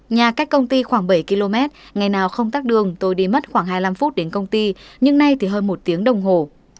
nhà cách công ty khoảng bảy km ngày nào không tắt đường tôi đi mất khoảng hai mươi năm phút đến công ty nhưng nay thì hơn một tiếng đồng hồ